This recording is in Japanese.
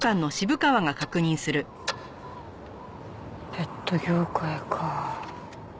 ペット業界か。